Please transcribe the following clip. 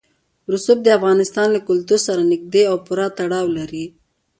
رسوب د افغانستان له کلتور سره نږدې او پوره تړاو لري.